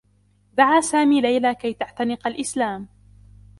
دعى سامي ليلى كي تعتنق الإسلام.